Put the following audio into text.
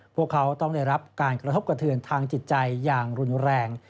พวกเขาต้องได้รับการกระทบกระเทือนทางจิตใจอย่างรุนแรง